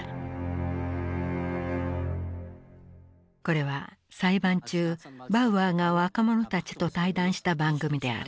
これは裁判中バウアーが若者たちと対談した番組である。